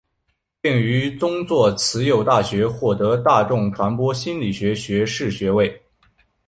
并于宗座慈幼大学取得大众传播心理学学士学位。